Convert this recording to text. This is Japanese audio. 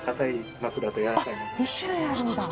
２種類あるんだ。